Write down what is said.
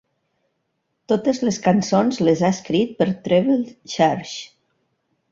Totes les cançons les ha escrit per Treble Charger.